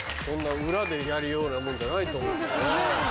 そんな裏でやるようなもんじゃないと思うんだけどなぁ。